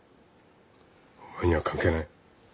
お前には関係ない。